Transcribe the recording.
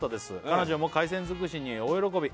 彼女も海鮮づくしに大喜び」